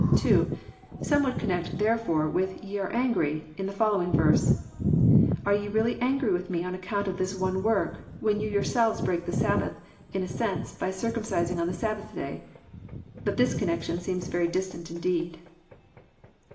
— (2) Some would connect "therefore" with "are ye angry," in the following verse: —" Are you really angry with me on account of this one work, when you yourselves break the Sabbath, in a sense, by circum cising on the Sabbath day ? "—But this connection seems very distant indeed.